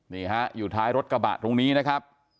นี่ฮะอยู่ท้ายรถกระบะตรงนี้นะครับ